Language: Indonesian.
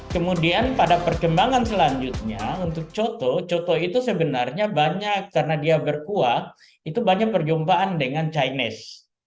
kemudian pada perkembangan selanjutnya untuk coto coto itu sebenarnya banyak karena dia berkuah itu banyak perjumpaan dengan chinese